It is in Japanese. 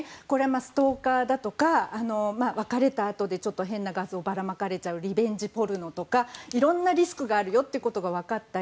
ストーカーだとか別れたあとちょっと変な画像をばらまかれちゃうリベンジポルノですとかいろんなリスクがあることが分かったり